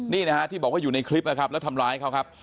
นี่นะฮะที่บอกว่าอยู่ในคลิปนะครับแล้วทำร้ายเขาครับ